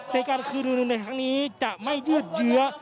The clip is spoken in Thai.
ในการพิมพ์นมในครั้งนี้จะไม่ยืดเยื้อ